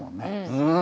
うん。